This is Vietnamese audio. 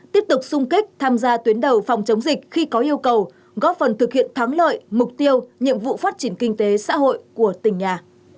tiếp tục sung kích tham gia tuyến đầu phòng chống dịch khi có yêu cầu góp phần thực hiện thắng lợi mục tiêu nhiệm vụ phát triển kinh tế xã hội của tỉnh nhà